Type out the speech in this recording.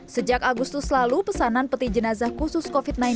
sejak agustus lalu pesanan peti jenazah khusus covid sembilan belas